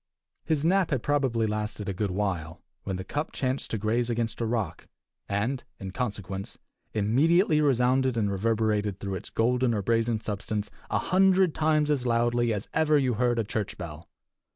His nap had probably lasted a good while, when the cup chanced to graze against a rock, and, in consequence, immediately resounded and reverberated through its golden or brazen substance a hundred times as loudly as ever you heard a church bell.